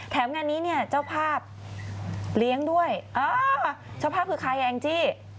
งานนี้เนี่ยเจ้าภาพเลี้ยงด้วยเจ้าภาพคือใครอ่ะแองจี้